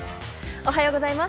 おはようございます。